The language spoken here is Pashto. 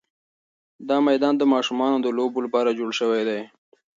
دا میدان د ماشومانو د لوبو لپاره جوړ شوی دی.